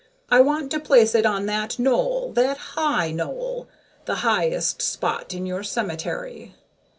I mean to place it on that knoll that high knoll the highest spot in your cemetery.